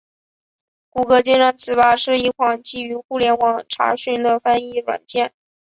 谷歌金山词霸是一款基于互联网查询的翻译软件。